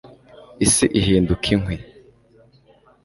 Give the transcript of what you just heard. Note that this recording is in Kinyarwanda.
isi ihinduka inkwi